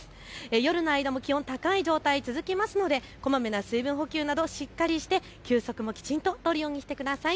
夜の間も気温、高い状態続きますのでこまめな水分補給などしっかりして休息もきちんととるようにしてください。